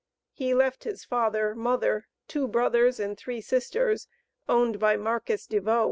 He left his father, mother, two brothers, and three sisters, owned by Marcus Devoe.